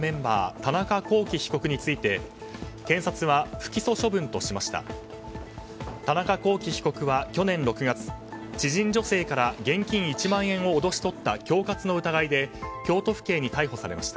田中聖被告は去年６月知人女性から現金１万円を脅し取った恐喝の疑いで京都府警に逮捕されました。